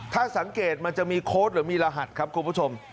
ถ้าสังเกตมันจะมีโค้ดหรือมีรหัสครับคุณผู้ชม